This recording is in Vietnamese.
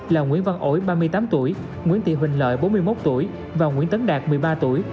là nguyễn văn ủi ba mươi tám tuổi nguyễn thị huỳnh lợi bốn mươi một tuổi và nguyễn tấn đạt một mươi ba tuổi